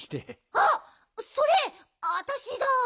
あっそれあたしだ。